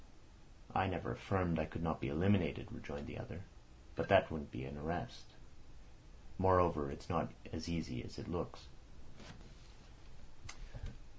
"I never affirmed I could not be eliminated," rejoined the other. "But that wouldn't be an arrest. Moreover, it's not so easy as it looks."